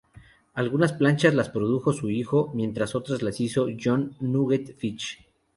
Algunas planchas las produjo su hijo, mientras otras las hizo John Nugent Fitch.